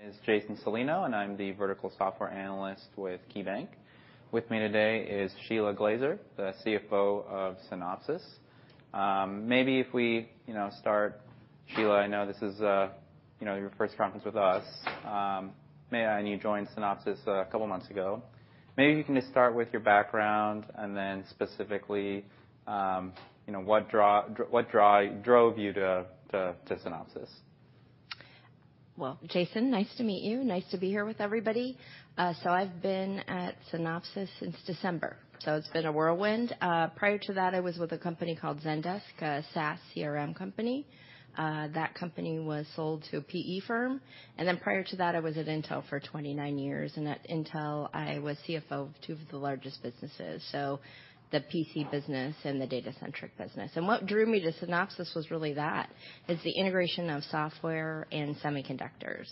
Is Jason Celino, and I'm the vertical software analyst with KeyBanc. With me today is Shelagh Glaser, the CFO of Synopsys. Maybe if we, you know, start, Shelagh, I know this is, you know, your first conference with us. You joined Synopsys a couple months ago. Maybe you can just start with your background and then specifically, you know, what drove you to Synopsys. Well, Jason, nice to meet you. Nice to be here with everybody. I've been at Synopsys since December, so it's been a whirlwind. Prior to that, I was with a company called Zendesk, a SaaS CRM company. That company was sold to a PE firm. Prior to that, I was at Intel for 29 years. At Intel, I was CFO of two of the largest businesses, so the PC business and the Data Centric business. What drew me to Synopsys was really that. Is the integration of software and semiconductors.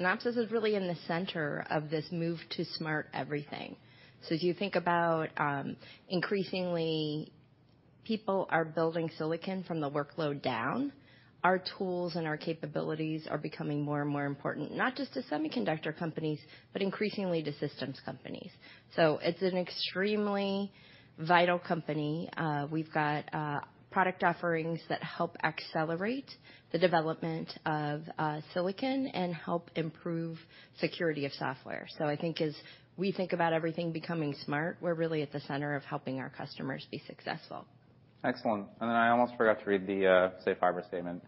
Synopsys is really in the center of this move to smart everything. As you think about, increasingly people are building silicon from the workload down, our tools and our capabilities are becoming more and more important, not just to semiconductor companies, but increasingly to systems companies. It's an extremely vital company. We've got product offerings that help accelerate the development of silicon and help improve security of software. I think as we think about everything becoming smart, we're really at the center of helping our customers be successful. Excellent. I almost forgot to read the safe harbor statement.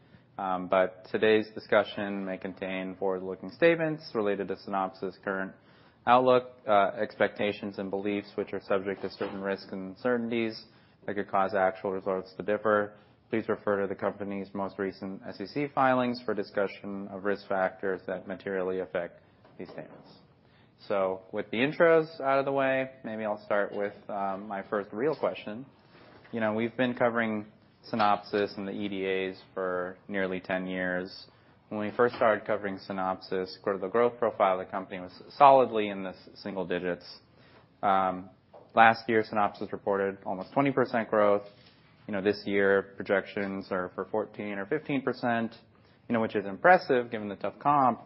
Today's discussion may contain forward-looking statements related to Synopsys current outlook, expectations and beliefs, which are subject to certain risks and uncertainties that could cause actual results to differ. Please refer to the company's most recent SEC filings for discussion of risk factors that materially affect these statements. With the intros out of the way, maybe I'll start with my first real question. You know, we've been covering Synopsys and the EDAs for nearly 10 years. When we first started covering Synopsys, sort of the growth profile of the company was solidly in the single digits. Last year, Synopsys reported almost 20% growth. You know, this year, projections are for 14% or 15%, you know, which is impressive given the tough comp.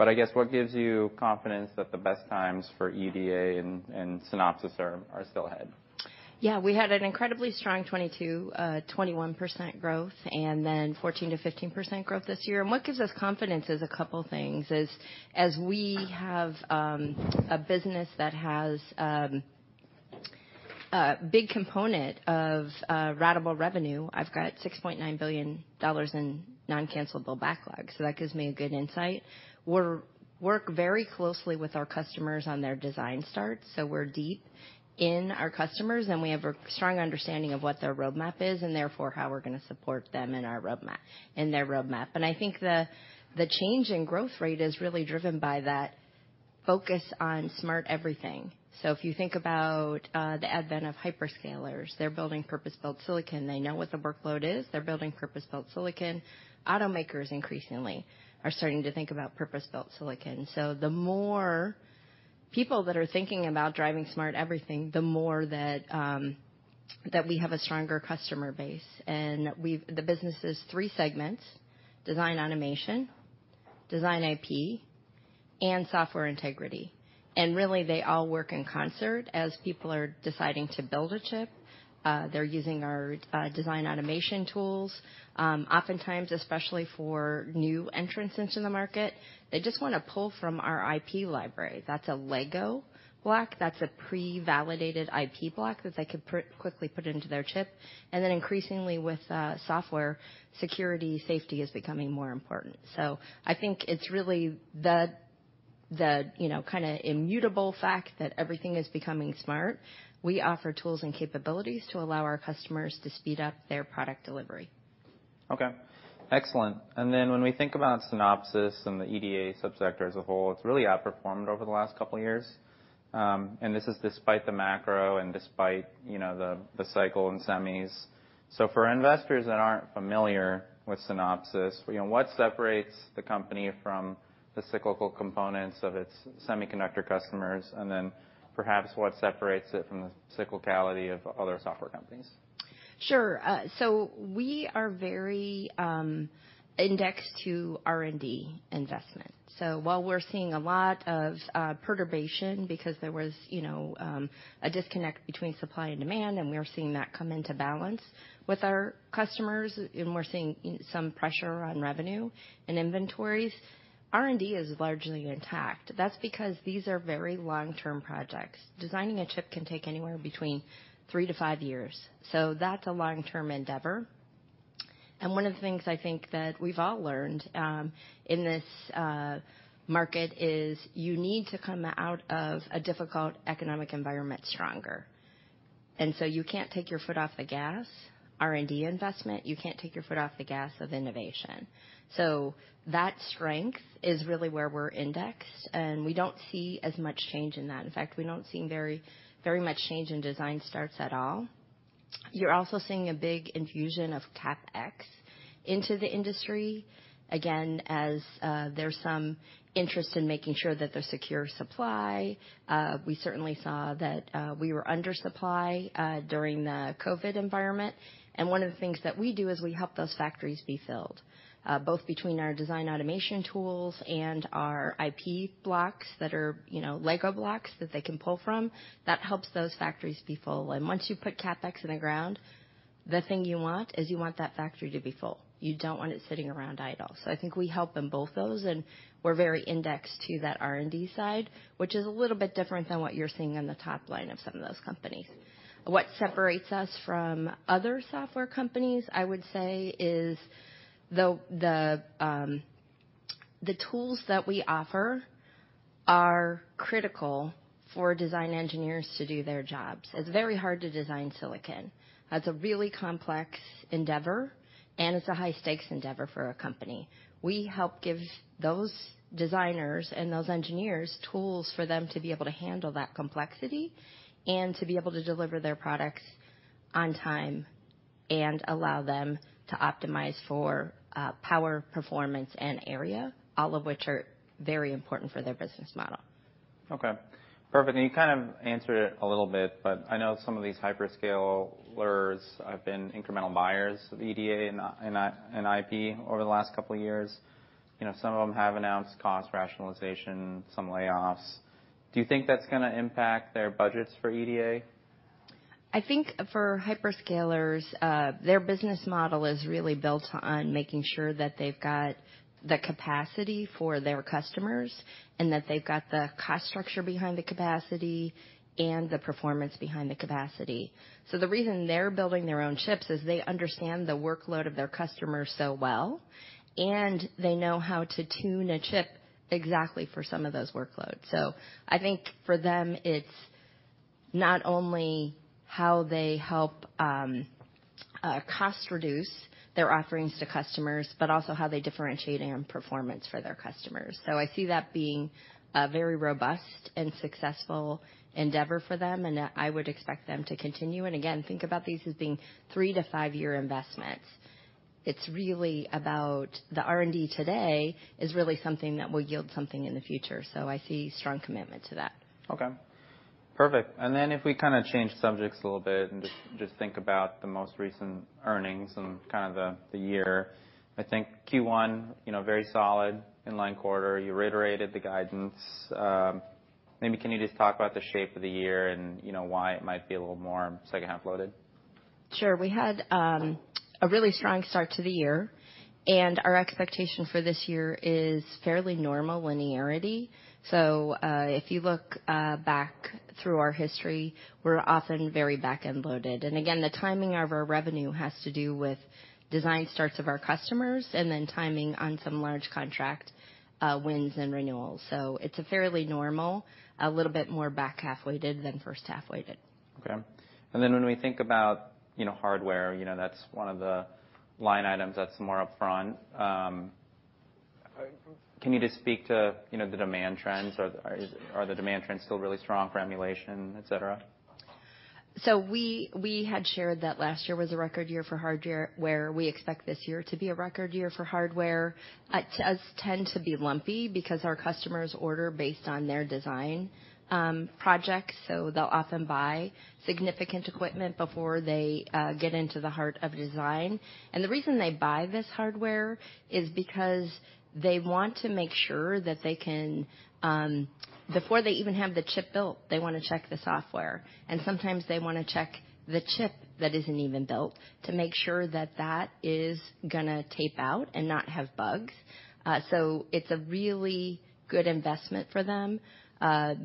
I guess what gives you confidence that the best times for EDA and Synopsys are still ahead? Yeah, we had an incredibly strong 2022, 21% growth and then 14%-15% growth this year. What gives us confidence is a couple things, is as we have a business that has a big component of ratable revenue. I've got $6.9 billion in non-cancellable backlog, so that gives me a good insight. We work very closely with our customers on their design start, so we're deep in our customers, and we have a strong understanding of what their roadmap is and therefore how we're gonna support them in our roadmap in their roadmap. I think the change in growth rate is really driven by that focus on smart everything. If you think about the advent of hyperscalers, they're building purpose-built silicon. They know what the workload is. They're building purpose-built silicon. Automakers increasingly are starting to think about purpose-built silicon. The more people that are thinking about driving smart everything, the more that we have a stronger customer base. The business is three segments, Design Automation, Design IP, and Software Integrity. Really, they all work in concert. As people are deciding to build a chip, they're using our Design Automation tools. Oftentimes, especially for new entrants into the market, they just wanna pull from our IP library. That's a LEGO block. That's a pre-validated IP block that they could quickly put into their chip. Increasingly with software, security, safety is becoming more important. I think it's really the immutable fact that everything is becoming smart. We offer tools and capabilities to allow our customers to speed up their product delivery. Okay. Excellent. When we think about Synopsys and the EDA subsector as a whole, it's really outperformed over the last couple years. This is despite the macro and despite the cycle in semis. For investors that aren't familiar with Synopsys, what separates the company from the cyclical components of its semiconductor customers, perhaps what separates it from the cyclicality of other software companies? Sure. We are very indexed to R&D investment. While we're seeing a lot of perturbation because there was a disconnect between supply and demand, we are seeing that come into balance with our customers, and we're seeing some pressure on revenue and inventories, R&D is largely intact. That's because these are very long-term projects. Designing a chip can take anywhere between three to five years, so that's a long-term endeavor. One of the things I think that we've all learned in this market is you need to come out of a difficult economic environment stronger. You can't take your foot off the gas, R&D investment. You can't take your foot off the gas of innovation. That strength is really where we're indexed, and we don't see as much change in that. In fact, we don't see very, very much change in design starts at all. You're also seeing a big infusion of CapEx into the industry, again, as, there's some interest in making sure that there's secure supply. We certainly saw that we were under supply during the COVID environment. One of the things that we do is we help those factories be filled. Both between our Design Automation tools and our IP blocks that are LEGO blocks that they can pull from, that helps those factories be full. Once you put CapEx in the ground, the thing you want is you want that factory to be full. You don't want it sitting around idle. I think we help in both those, and we're very indexed to that R&D side, which is a little bit different than what you're seeing in the top line of some of those companies. What separates us from other software companies, I would say, is the tools that we offer are critical for design engineers to do their jobs. It's very hard to design silicon. That's a really complex endeavor, and it's a high-stakes endeavor for a company. We help give those designers and those engineers tools for them to be able to handle that complexity and to be able to deliver their products on time and allow them to optimize for power, performance, and area, all of which are very important for their business model. Okay. Perfect. You kind of answered it a little bit, but I know some of these hyperscalers have been incremental buyers of EDA and IP over the last couple of years. You know, some of them have announced cost rationalization, some layoffs. Do you think that's gonna impact their budgets for EDA? I think for hyperscalers, their business model is really built on making sure that they've got the capacity for their customers and that they've got the cost structure behind the capacity and the performance behind the capacity. The reason they're building their own chips is they understand the workload of their customers so well, and they know how to tune a chip exactly for some of those workloads. I think for them, it's not only how they help cost reduce their offerings to customers, but also how they differentiate on performance for their customers. I see that being a very robust and successful endeavor for them, and I would expect them to continue. Again, think about these as being 3-5 year investments. It's really about the R&D today is really something that will yield something in the future. I see strong commitment to that. Okay. Perfect. Then if we kind of change subjects a little bit and just think about the most recent earnings and kind of the year. I think Q1, you know, very solid in-line quarter. You reiterated the guidance. Maybe can you just talk about the shape of the year and, you know, why it might be a little more second half-loaded? Sure. We had a really strong start to the year. Our expectation for this year is fairly normal linearity. If you look back through our history, we're often very back-end loaded. Again, the timing of our revenue has to do with design starts of our customers and then timing on some large contract wins and renewals. It's a fairly normal, a little bit more back half-weighted than first half-weighted. Okay. When we think about, you know, hardware, you know, that's one of the line items that's more upfront. Can you just speak to, you know, the demand trends? Are the demand trends still really strong for emulation, et cetera? We had shared that last year was a record year for hardware. We expect this year to be a record year for hardware. It does tend to be lumpy because our customers order based on their design projects, so they'll often buy significant equipment before they get into the heart of design. The reason they buy this hardware is because they want to make sure that they can, before they even have the chip built, they wanna check the software. Sometimes they wanna check the chip that isn't even built to make sure that that is gonna tape-out and not have bugs. It's a really good investment for them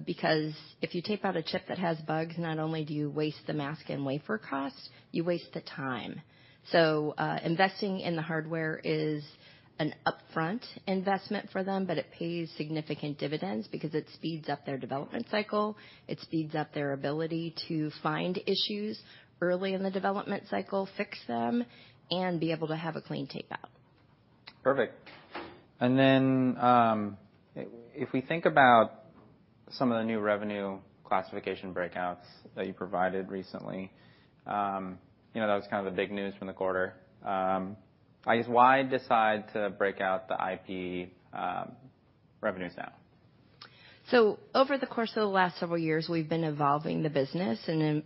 because if you tape-out a chip that has bugs, not only do you waste the mask and wafer costs, you waste the time. Investing in the hardware is an upfront investment for them, but it pays significant dividends because it speeds up their development cycle, it speeds up their ability to find issues early in the development cycle, fix them, and be able to have a clean tape-out. Perfect. If we think about some of the new revenue classification breakouts that you provided recently, you know, that was kind of the big news from the quarter. I guess, why decide to break out the IP, revenues now? Over the course of the last several years, we've been evolving the business and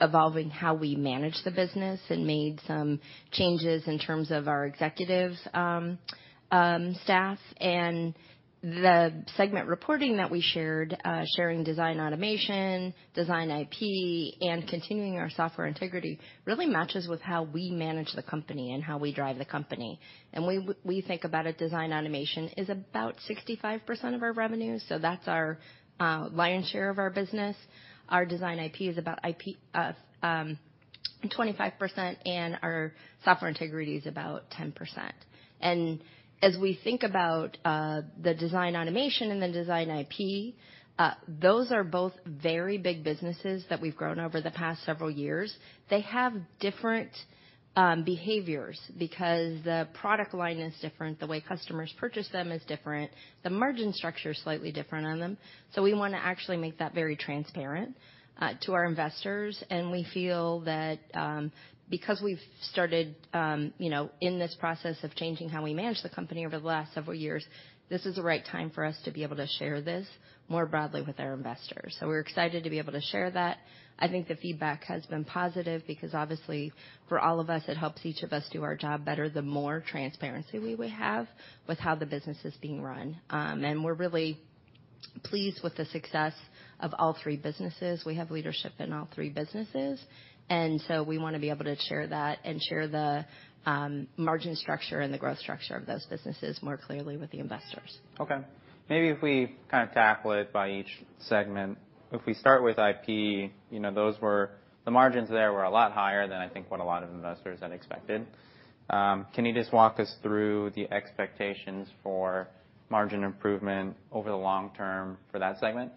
evolving how we manage the business and made some changes in terms of our executives staff. The segment reporting that we shared, sharing Design Automation, Design IP, and continuing our Software Integrity really matches with how we manage the company and how we drive the company. We think about it, Design Automation is about 65% of our revenue, so that's our lion's share of our business. Our Design IP is about 25% and our Software Integrity is about 10%. As we think about the Design Automation and the Design IP, those are both very big businesses that we've grown over the past several years. They have different behaviors because the product line is different, the way customers purchase them is different. The margin structure is slightly different on them. We wanna actually make that very transparent to our investors. We feel that, because we've started, you know, in this process of changing how we manage the company over the last several years, this is the right time for us to be able to share this more broadly with our investors. We're excited to be able to share that. I think the feedback has been positive because obviously for all of us, it helps each of us do our job better, the more transparency we would have with how the business is being run. We're really pleased with the success of all three businesses. We have leadership in all three businesses, and so we wanna be able to share that and share the margin structure and the growth structure of those businesses more clearly with the investors. Okay. Maybe if we tackle it by each segment. If we start with IP, you know, the margins there were a lot higher than I think what a lot of investors had expected. Can you just walk us through the expectations for margin improvement over the long term for that segment?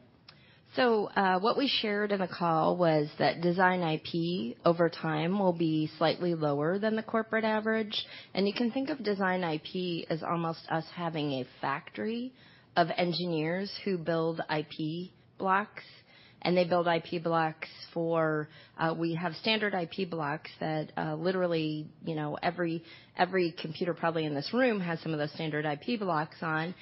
What we shared in the call was that Design IP over time will be slightly lower than the corporate average. You can think of Design IP as almost us having a factory of engineers who build IP blocks, and they build IP blocks for, we have standard IP blocks that, literally, you know, every computer probably in this room has some of the standard IP blocks on,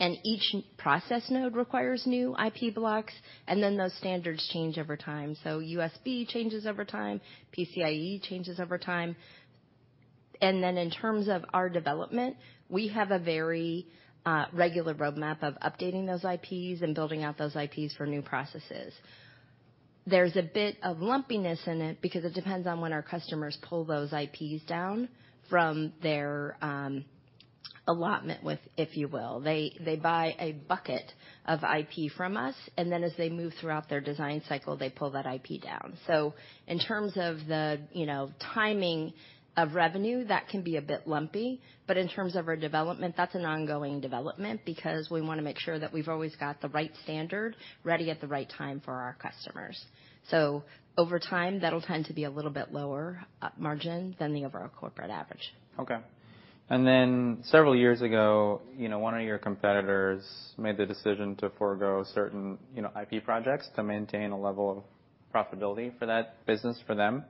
and each process node requires new IP blocks, and then those standards change over time. USB changes over time, PCIe changes over time. In terms of our development, we have a very regular roadmap of updating those IPs and building out those IPs for new processes. There's a bit of lumpiness in it because it depends on when our customers pull those IPs down from their allotment with, if you will. They buy a bucket of IP from us, and then as they move throughout their design cycle, they pull that IP down. In terms of the, you know, timing of revenue, that can be a bit lumpy, but in terms of our development, that's an ongoing development because we wanna make sure that we've always got the right standard ready at the right time for our customers. Over time, that'll tend to be a little bit lower up margin than the overall corporate average. Okay. Several years ago, you know, one of your competitors made the decision to forego certain, you know, IP projects to maintain a level of profitability for that business for them.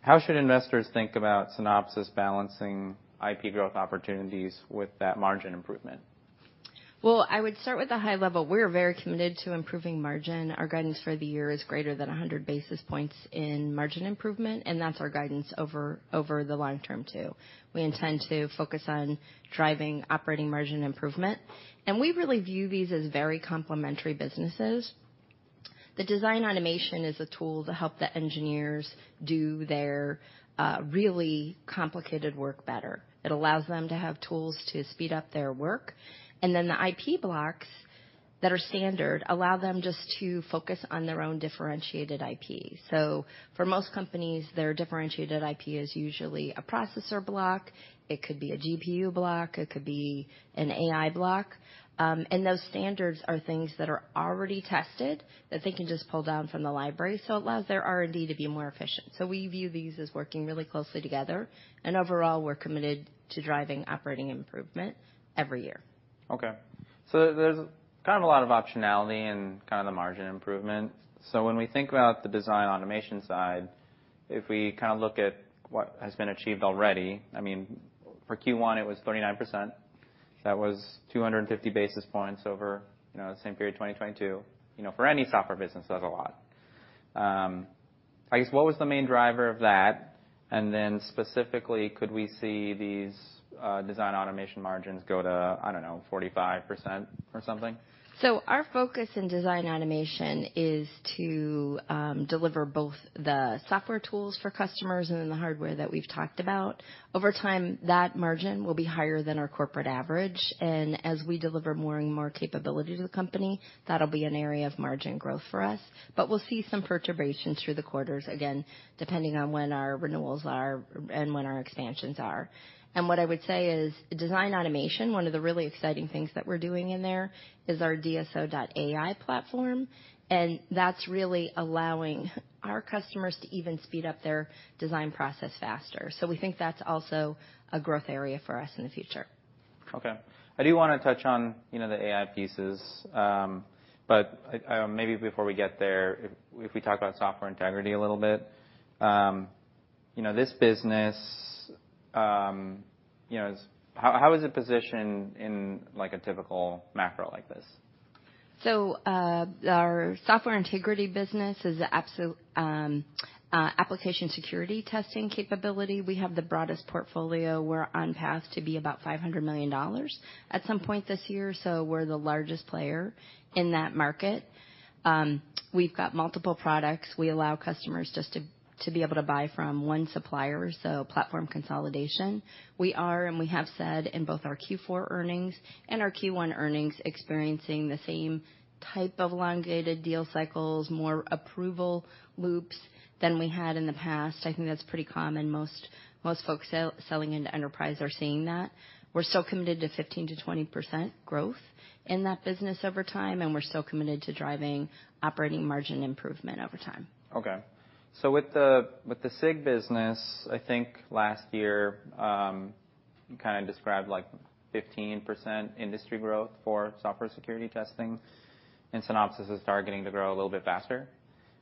How should investors think about Synopsys balancing IP growth opportunities with that margin improvement? Well, I would start with the high level. We're very committed to improving margin. Our guidance for the year is greater than 100 basis points in margin improvement, and that's our guidance over the long term too. We intend to focus on driving operating margin improvement, and we really view these as very complementary businesses. The Design Automation is a tool to help the engineers do their really complicated work better. It allows them to have tools to speed up their work. The IP blocks that are standard allow them just to focus on their own differentiated IP. For most companies, their differentiated IP is usually a processor block. It could be a GPU block, it could be an AI block. Those standards are things that are already tested that they can just pull down from the library. It allows their R&D to be more efficient. We view these as working really closely together. Overall, we're committed to driving operating improvement every year. There's kind of a lot of optionality and kind of the margin improvement. When we think about the Design Automation side, if we kind of look at what has been achieved already, I mean, for Q1, it was 39%. That was 250 basis points over, you know, the same period, 2022. You know, for any software business, that's a lot. I guess, what was the main driver of that? Specifically, could we see these Design Automation margins go to, I don't know, 45% or something? Our focus in Design Automation is to deliver both the software tools for customers and then the hardware that we've talked about. Over time, that margin will be higher than our corporate average. As we deliver more and more capability to the company, that'll be an area of margin growth for us. We'll see some perturbations through the quarters, again, depending on when our renewals are and when our expansions are. What I would say is Design Automation, one of the really exciting things that we're doing in there is our DSO.ai platform, and that's really allowing our customers to even speed up their design process faster. We think that's also a growth area for us in the future. Okay. I do wanna touch on, you know, the AI pieces. Maybe before we get there, if we talk about Software Integrity a little bit. You know, this business, you know, how is it positioned in, like, a typical macro like this? Our Software Integrity business is the application security testing capability. We have the broadest portfolio. We're on path to be about $500 million at some point this year, we're the largest player in that market. We've got multiple products. We allow customers to be able to buy from one supplier, platform consolidation. We are, and we have said in both our Q4 earnings and our Q1 earnings, experiencing the same type of elongated deal cycles, more approval loops than we had in the past. I think that's pretty common. Most folks selling into enterprise are seeing that. We're still committed to 15%-20% growth in that business over time, we're still committed to driving operating margin improvement over time. Okay. With the, with the SIG business, I think last year, You kind of described like 15% industry growth for software security testing. Synopsys is targeting to grow a little bit faster.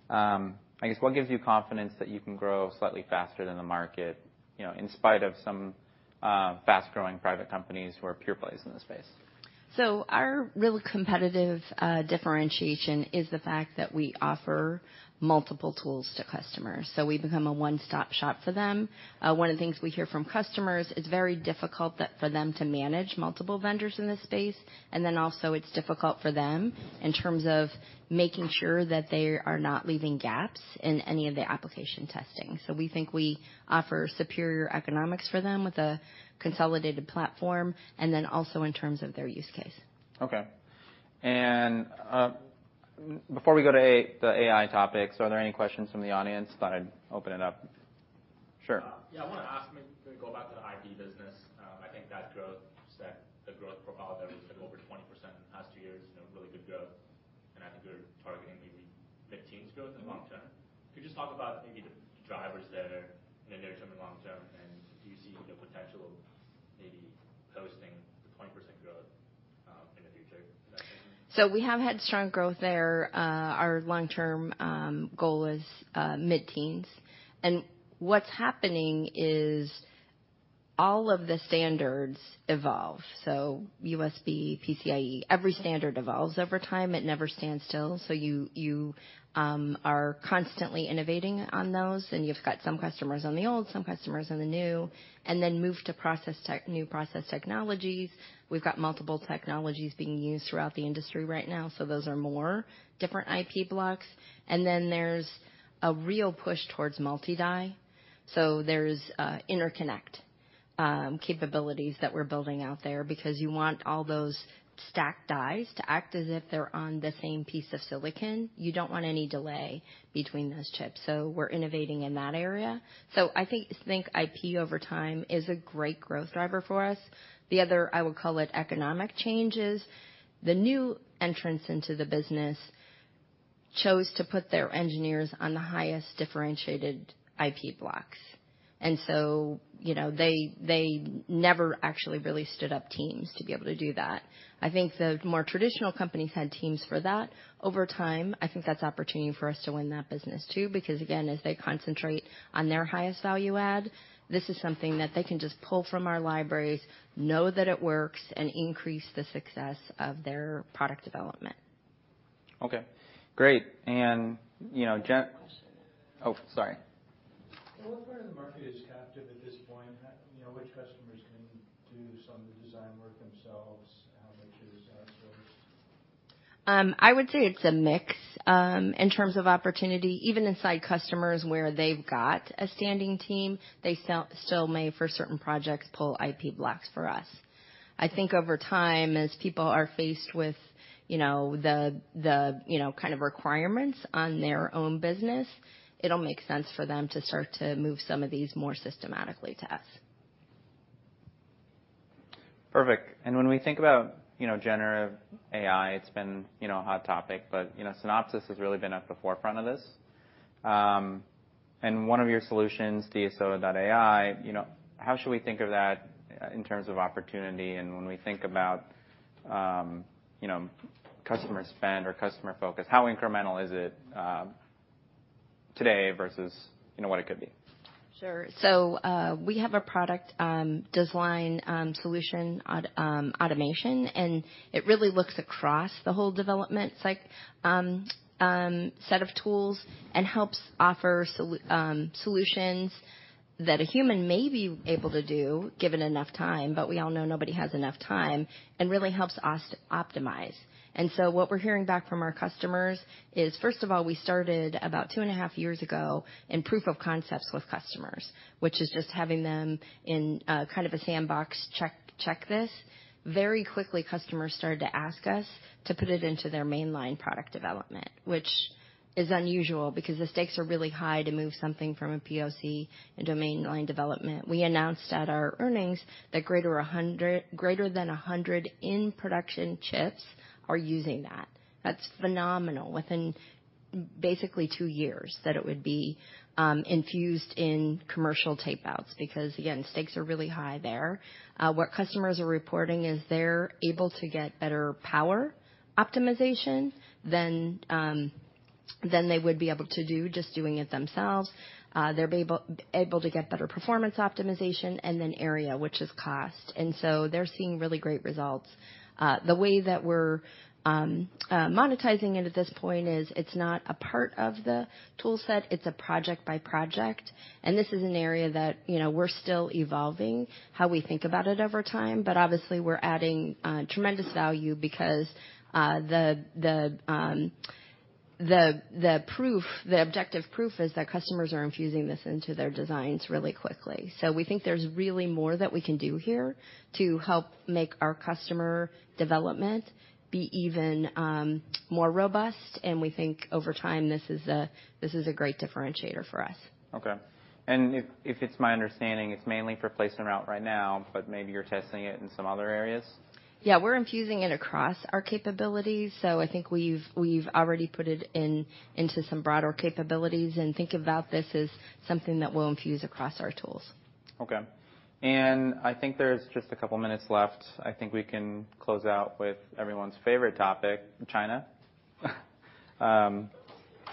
I guess what gives you confidence that you can grow slightly faster than the market, you know, in spite of some fast-growing private companies who are pure plays in this space? Our real competitive differentiation is the fact that we offer multiple tools to customers, so we become a one-stop shop for them. One of the things we hear from customers, it's very difficult that for them to manage multiple vendors in this space. Also it's difficult for them in terms of making sure that they are not leaving gaps in any of the application testing. We think we offer superior economics for them with a consolidated platform, and then also in terms of their use case. Okay. Before we go to the AI topics, are there any questions from the audience? Thought I'd open it up. Sure. Yeah. I wanna ask, maybe we go back to the IP business. I think that the growth profile there was like over 20% in the past two years. You know, really good growth, I think you're targeting maybe mid-teens growth in the long term. Mm-hmm. Could you just talk about maybe the drivers there in the near term and long term, and do you see the potential of maybe posting the 20% growth, in the future? We have had strong growth there. Our long-term goal is mid-teens. What's happening is all of the standards evolve. USB, PCIe, every standard evolves over time. It never stands still. You are constantly innovating on those, and you've got some customers on the old, some customers on the new, and then move to new process technologies. We've got multiple technologies being used throughout the industry right now, so those are more different IP blocks. There's a real push towards multi-die. There's interconnect capabilities that we're building out there because you want all those stacked dies to act as if they're on the same piece of silicon. You don't want any delay between those chips, so we're innovating in that area. I think IP over time is a great growth driver for us. The other, I would call it economic changes. The new entrants into the business chose to put their engineers on the highest differentiated IP blocks. You know, they never actually really stood up teams to be able to do that. I think the more traditional companies had teams for that. Over time, I think that's opportunity for us to win that business too because, again, as they concentrate on their highest value add, this is something that they can just pull from our libraries, know that it works, and increase the success of their product development. Okay. Great. You know. Question. Oh, sorry. What part of the market is captive at this point? You know, which customers can do some of the design work themselves? How much is outsourced? I would say it's a mix. In terms of opportunity, even inside customers where they've got a standing team, they still may, for certain projects, pull IP blocks for us. I think over time, as people are faced with the kind of requirements on their own business, it'll make sense for them to start to move some of these more systematically to us. Perfect. When we think about, you know, generative AI, it's been, you know, a hot topic, but, you know, Synopsys has really been at the forefront of this. One of your solutions, DSO.ai, you know, how should we think of that in terms of opportunity and when we think about, you know, customer spend or customer focus? How incremental is it today versus, you know, what it could be? Sure. We have a product, Design Automation, and it really looks across the whole development set of tools and helps offer solutions that a human may be able to do given enough time, but we all know nobody has enough time, and really helps us optimize. What we're hearing back from our customers is, first of all, we started about 2.5 years ago in proof of concepts with customers, which is just having them in kind of a sandbox check this. Very quickly, customers started to ask us to put it into their mainline product development, which is unusual because the stakes are really high to move something from a POC into mainline development. We announced at our earnings that greater than 100 in-production chips are using that. That's phenomenal. Within basically two years that it would be infused in commercial tape-outs because, again, stakes are really high there. What customers are reporting is they're able to get better power optimization than they would be able to do just doing it themselves. They're able to get better performance optimization and area, which is cost. They're seeing really great results. The way that we're monetizing it at this point is it's not a part of the tool set, it's a project by project. This is an area that, you know, we're still evolving how we think about it over time. Obviously, we're adding tremendous value because the, the proof, the objective proof is that customers are infusing this into their designs really quickly. We think there's really more that we can do here to help make our customer development be even more robust. We think over time, this is a great differentiator for us. Okay. If it's my understanding, it's mainly for place and route right now, but maybe you're testing it in some other areas? Yeah. We're infusing it across our capabilities, so I think we've already put it into some broader capabilities and think about this as something that we'll infuse across our tools. Okay. I think there's just a couple minutes left. I think we can close out with everyone's favorite topic, China.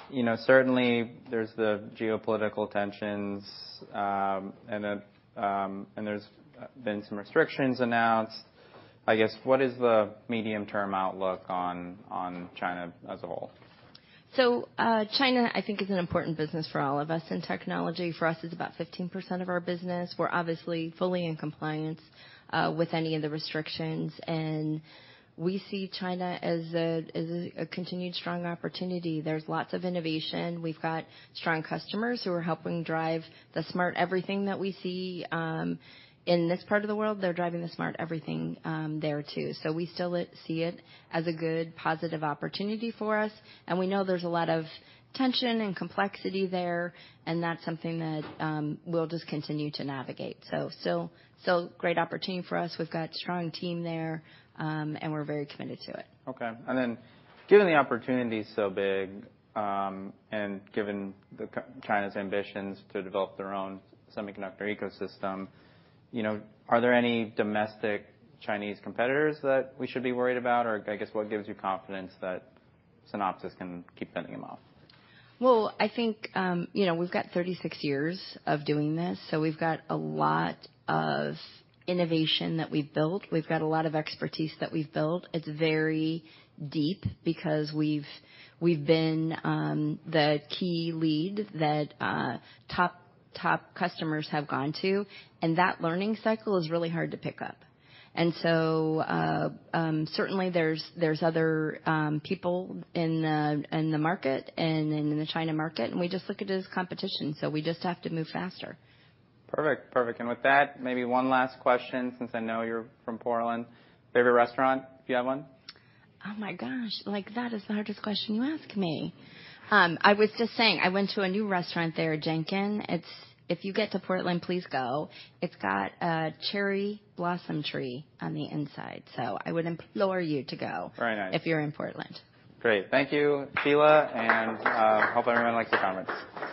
You know, certainly there's the geopolitical tensions, and there's been some restrictions announced. I guess, what is the medium-term outlook on China as a whole? China, I think is an important business for all of us in technology. For us, it's about 15% of our business. We're obviously fully in compliance with any of the restrictions, and we see China as a continued strong opportunity. There's lots of innovation. We've got strong customers who are helping drive the smart everything that we see in this part of the world. They're driving the smart everything there too. We still see it as a good positive opportunity for us and we know there's a lot of tension and complexity there, and that's something that we'll just continue to navigate. Great opportunity for us. We've got a strong team there, and we're very committed to it. Okay. Given the opportunity is so big, and given China's ambitions to develop their own semiconductor ecosystem, you know, are there any domestic Chinese competitors that we should be worried about? I guess, what gives you confidence that Synopsys can keep fending them off? Well, I think, you know, we've got 36 years of doing this, so we've got a lot of innovation that we've built. We've got a lot of expertise that we've built. It's very deep because we've been the key lead that top customers have gone to, and that learning cycle is really hard to pick up. Certainly there's other people in the market and in the China market, and we just look at it as competition, so we just have to move faster. Perfect. With that, maybe one last question, since I know you're from Portland. Favorite restaurant, if you have one? Oh, my gosh. Like, that is the hardest question you asked me. I was just saying, I went to a new restaurant there, Janken. If you get to Portland, please go. It's got a cherry blossom tree on the inside. I would implore you to go. Very nice. if you're in Portland. Great. Thank you, Shelagh. Hope everyone likes your conference.